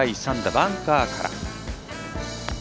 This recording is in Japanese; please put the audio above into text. バンカーから。